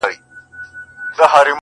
ته خپل پندونه وایه خو باور به د چا راسي٫